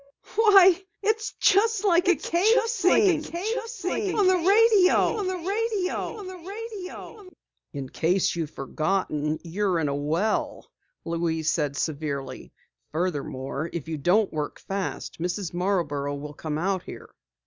"Why, it's just like a cave scene on the radio!" "In case you've forgotten, you're in a well," Louise said severely. "Furthermore, if you don't work fast, Mrs. Marborough will come out here!"